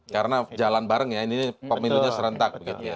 karena jalan bareng ya ini pemilunya serentak